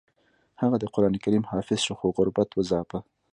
هغه د قران کریم حافظ شو خو غربت وځاپه